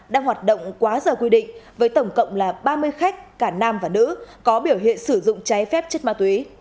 đang hoạt động quá giờ quy định với tổng cộng là ba mươi khách cả nam và nữ có biểu hiện sử dụng trái phép chất ma túy